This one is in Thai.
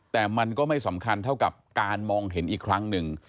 แต่มันก็ไม่สำคัญเท่ากับการมองเห็นอีกครั้งหนึ่ง